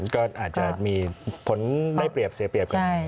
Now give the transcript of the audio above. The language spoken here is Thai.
ก็อาจจะมีผลได้เปรียบเสียเปรียบกัน